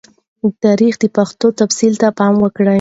د تاریخ د پیښو تفصیل ته پام وکړئ.